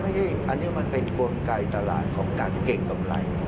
อันนี้มันเป็นกลไกตลาดของการเก่งกำไร